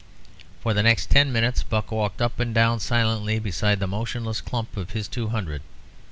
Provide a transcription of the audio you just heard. For the next ten minutes Buck walked up and down silently beside the motionless clump of his two hundred.